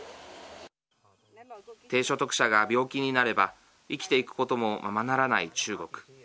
低所得者が病気になれば生きていくこともままならない中国。